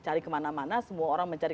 cari kemana mana semua orang mencari